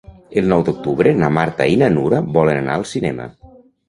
El nou d'octubre na Marta i na Nura volen anar al cinema.